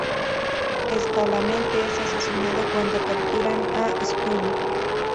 Escalante es asesinado cuando capturan a Scully.